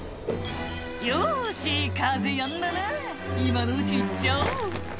「よし風やんだな今のうち行っちゃおう」